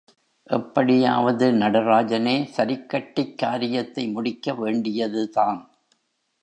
எப்படியாவது நடராஜனே சரிக்கட்டிக் காரியத்தை முடிக்க வேண்டியதுதான்.